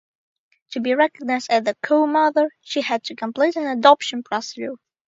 To be recognised as the co-mother, she had to complete an adoption procedure.